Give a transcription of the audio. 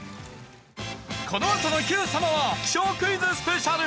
このあとの『Ｑ さま！！』は気象クイズスペシャル